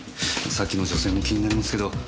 さっきの女性も気になりますけど